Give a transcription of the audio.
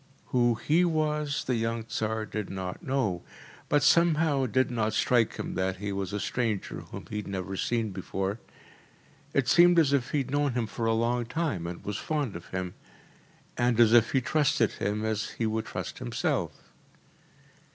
Who HE was the young Tsar did not know, but somehow it did not strike him that he was a stranger whom he had never seen before. It seemed as if he had known him for a long time and was fond of him, and as if he trusted him as he would trust himself.